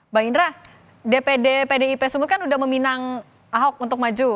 mbak indra dpd pdip semua kan sudah meminang ahok untuk maju